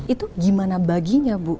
itu gimana baginya bu